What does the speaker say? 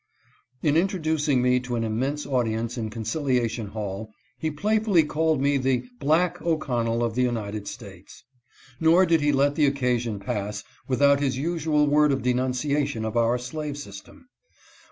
In introducing me to an immense audience in Conciliation Hall he playfully called me the " Black O'Con nell of the United States." Nor did he let the occasion pass without his usual word of denunciation of our slave system.